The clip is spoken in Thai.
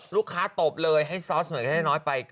ลูกค้าตบเลยให้ซอสมะเขือเทศน้อยไป